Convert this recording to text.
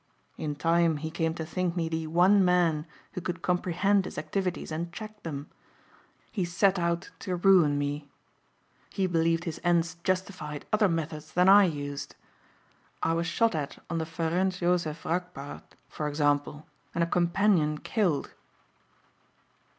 In time he came to think me the one man who could comprehend his activities and check them. He set out to ruin me. He believed his ends justified other methods than I used. I was shot at on the Ferencz Jozsef rakpart for example and a companion killed."